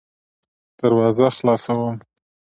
دروازه خلاصوم .